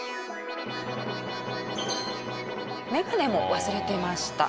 メガネも忘れてました。